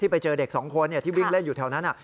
ไปเจอเด็ก๒คนที่วิ่งเล่นอยู่แถวนั้น